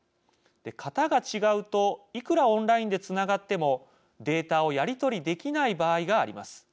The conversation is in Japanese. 型が違うといくらオンラインでつながってもデータをやりとりできない場合があります。